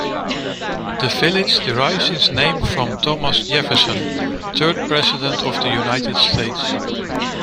The village derives its name from Thomas Jefferson, third President of the United States.